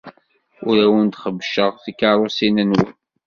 Ur awen-xebbceɣ tikeṛṛusin-nwen.